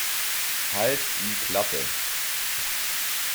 Halt die Klappe!